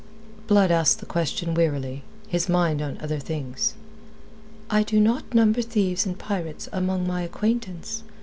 Blood asked the question wearily, his mind on other things. "I do not number thieves and pirates among my acquaintance."